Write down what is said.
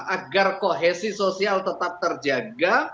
agar kohesi sosial tetap terjaga